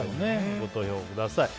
ご投票ください。